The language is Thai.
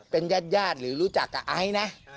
เป็นญาติหรือรู้จักกับไอซ์นะ